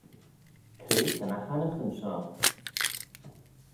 Cre ta ny h-annaghyn shoh?